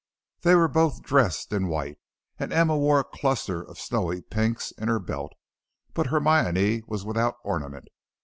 They were both dressed in white, and Emma wore a cluster of snowy pinks in her belt, but Hermione was without ornament.